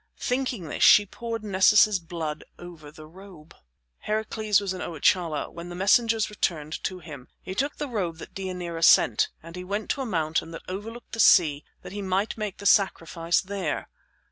Thinking this she poured Nessus's blood over the robe. Heracles was in Oichalia when the messengers returned to him. He took the robe that Deianira sent, and he went to a mountain that overlooked the sea that he might make the sacrifice there.